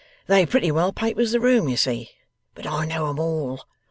They pretty well papers the room, you see; but I know 'em all.